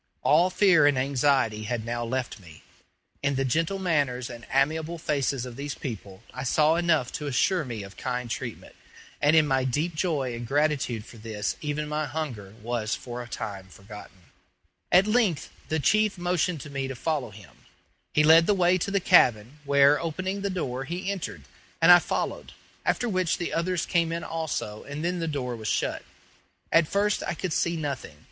All fear and anxiety had now left me; in the gentle manners and amiable faces of these people I saw enough to assure me of kind treatment; and in my deep joy and gratitude for this even my hunger was for a time forgotten. At length the chief motioned to me to follow him. He led the way to the cabin, where, opening the door, he entered, and I followed, after which the others came in also and then the door was shut. At first I could see nothing.